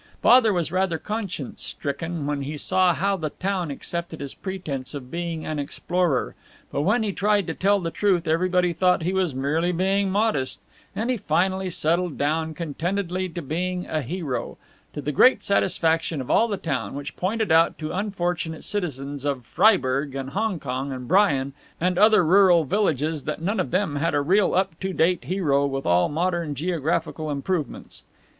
Father was rather conscience stricken when he saw how the town accepted his pretense of being an explorer, but when he tried to tell the truth everybody thought that he was merely being modest, and he finally settled down contentedly to being a hero, to the great satisfaction of all the town, which pointed out to unfortunate citizens of Freiburg and Hongkong and Bryan and other rival villages that none of them had a real up to date hero with all modern geographical improvements.